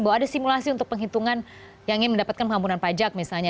bahwa ada simulasi untuk penghitungan yang ingin mendapatkan pengampunan pajak misalnya